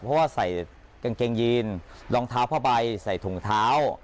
เพราะว่าใส่กางเกงยีนรองเท้าผ้าใบใส่ถุงเท้า